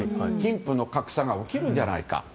貧富の格差が起きるんじゃないか。